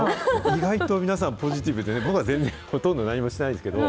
意外と皆さん、ポジティブで僕は全然、ほとんど何もしてないですけど。